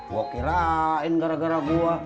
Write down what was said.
gue kirain gara gara gue